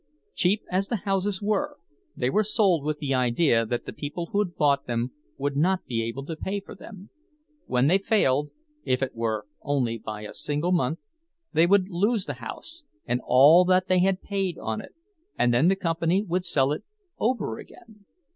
Cheap as the houses were, they were sold with the idea that the people who bought them would not be able to pay for them. When they failed—if it were only by a single month—they would lose the house and all that they had paid on it, and then the company would sell it over again.